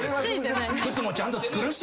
靴もちゃんと作るし。